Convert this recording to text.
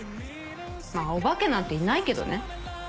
まぁお化けなんていないけどね。